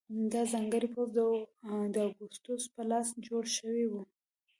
دا ځانګړی پوځ د اګوستوس په لاس جوړ شوی و.